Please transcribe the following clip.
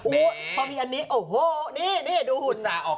มีรูปอีกอันนึงฮะ